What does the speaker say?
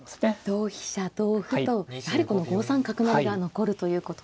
同飛車同歩とやはりこの５三角成が残るということですね。